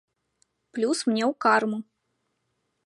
Плюс мне ў карму.